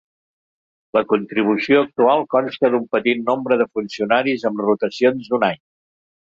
La contribució actual consta d'un petit nombre de funcionaris amb rotacions d'un any.